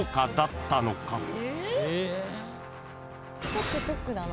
ちょっとショックだな。